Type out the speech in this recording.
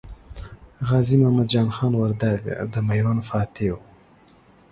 غازي محمد جان خان وردګ د میوند فاتح و.